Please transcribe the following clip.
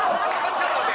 ちょっと待って。